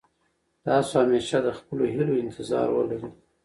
تاسو همېشه د خپلو هيلو انتظار ولرئ.